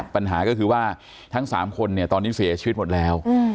ปัญหาก็คือว่าทั้ง๓คนเนี่ยตอนนี้เสียชีวิตหมดแล้ว